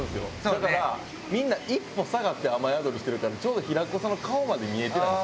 だからみんな一歩下がって雨宿りしてるからちょうど平子さんの顔まで見えてないんですよね。